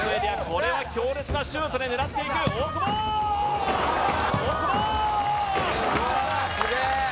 これは強烈なシュートで狙っていく大久保大久保